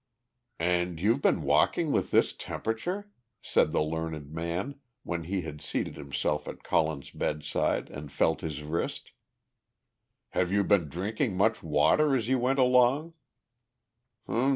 "And you've been walking with this temperature?" said the learned man, when he had seated himself at Colin's bedside and felt his wrist. "Have you been drinking much water as you went along?